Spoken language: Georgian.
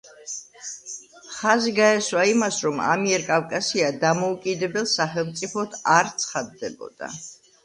ხაზი გაესვა იმას, რომ ამიერკავკასია დამოუკიდებელ სახელმწიფოდ არ ცხადდებოდა.